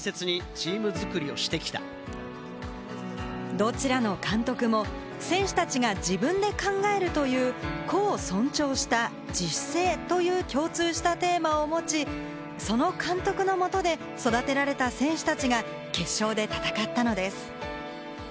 どちらの監督も選手たちが自分で考えるという個を尊重した、自主性という共通したテーマを持ち、その監督のもとで育てられた選手たちが決勝で戦ったのです。